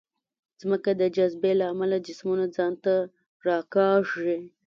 ځمکه د جاذبې له امله جسمونه ځان ته راکاږي.